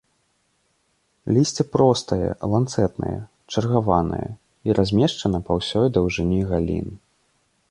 Лісце простае, ланцэтнае, чаргаванае і размешчана па ўсёй даўжыні галін.